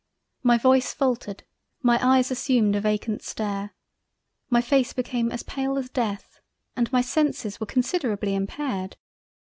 My Voice faltered, My Eyes assumed a vacant stare, my face became as pale as Death, and my senses were considerably impaired—.